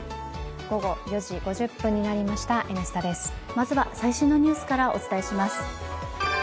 まずは最新のニュースからお伝えします。